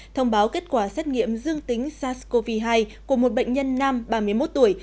thông báo kết quả xét nghiệm dương tính sars cov hai của một bệnh nhân nam ba mươi một tuổi